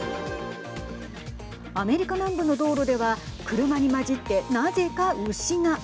アメリカ南部の道路では車に交じって、なぜか牛が。